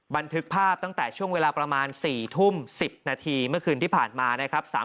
บันทึกภาพตั้งแต่ช่วงเวลาประมาณ๔ทุ่ม๑๐นาทีเมื่อคืนที่ผ่านมานะครับ